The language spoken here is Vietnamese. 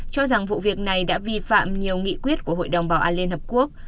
cho rằng vụ việc này đã vi phạm nhiều nghị quyết của hội đồng bảo an liên hợp quốc